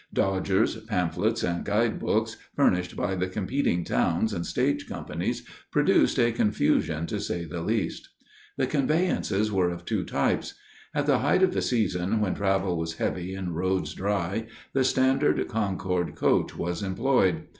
Dodgers, pamphlets, and guidebooks furnished by the competing towns and stage companies produced a confusion to say the least. The conveyances were of two types. At the height of the season, when travel was heavy and roads dry, the Standard Concord Coach was employed.